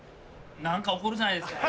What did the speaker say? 何か起こるじゃないですか。